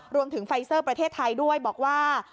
รวมถึงไฟเซอร์ประเทศไทยด้วยบอกว่า